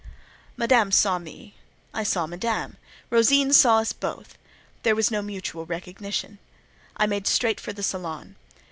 Madame saw me, I saw Madame, Rosine saw us both: there was no mutual recognition. I made straight for the salon.